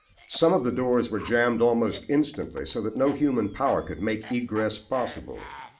Some of the doors were jammed almost instantly so that no human power could make egress possible.